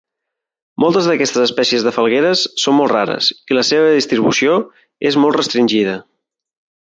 Moltes d'aquestes espècies de falgueres són molt rares i la seva distribució és molt restringida.